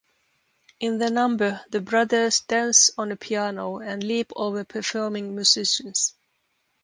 In the number, the brothers dance on a piano and leap over performing musicians.